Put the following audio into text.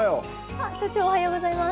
あっ所長おはようございます。